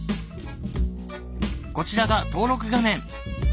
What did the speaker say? こちらが登録画面。